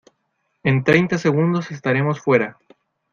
en treinta segundos estaremos fuera.